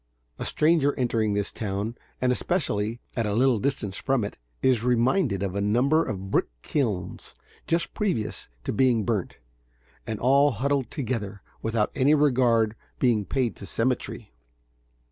A stranger entering this town, and especially at a little distance from it, is reminded of a number of brick kilns just previous to being burnt, and all huddled together without any regard being paid to symmetry.